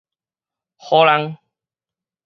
予人